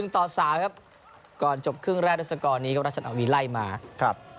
ต่อ๓ครับก่อนจบครึ่งแรกด้วยสกอร์นี้ครับราชนาวีไล่มาครับ